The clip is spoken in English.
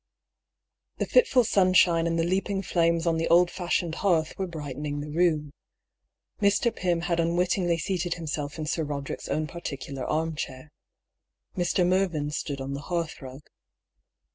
The fitful sunshine and the leaping flames on the old fashioned hearth were brightening the room. Mr. Pym had unwittingly seated himself in Sir Roderick's own particular arm chair. Mr. Mervyn stood on the hearthrug.